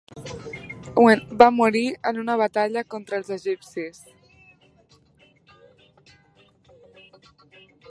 Va morir en una batalla contra els egipcis.